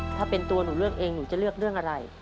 ถ้าเป็นตัวหนูเลือกเองหนูจะเลือกเรื่องอะไร